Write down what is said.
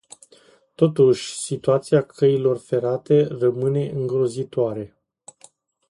Totuși, situația căilor ferate rămâne îngrozitoare.